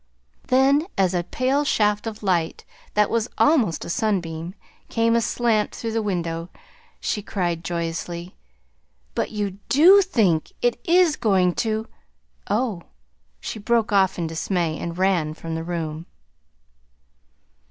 Then, as a pale shaft of light that was almost a sunbeam, came aslant through the window, she cried joyously: "But you DO think it IS going to Oh!" she broke off in dismay, and ran from the room.